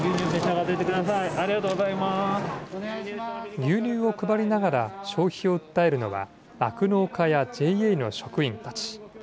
牛乳を配りながら消費を訴えるのは酪農家やＪＡの職員たち。